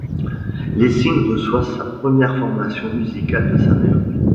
Lessing reçoit sa première formation musicale de sa mère.